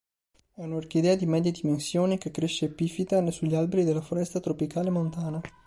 È un'orchidea di medie dimensioni che cresce epifita sugli alberi della foresta tropicale montana.